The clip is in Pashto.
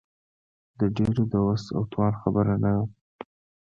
د ډېرو د وس او توان خبره نه وه.